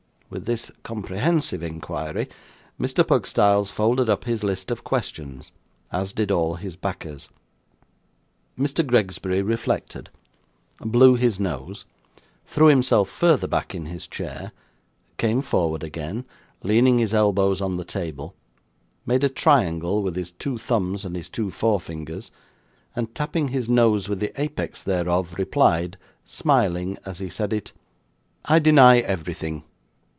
With this comprehensive inquiry, Mr. Pugstyles folded up his list of questions, as did all his backers. Mr. Gregsbury reflected, blew his nose, threw himself further back in his chair, came forward again, leaning his elbows on the table, made a triangle with his two thumbs and his two forefingers, and tapping his nose with the apex thereof, replied (smiling as he said it), 'I deny everything.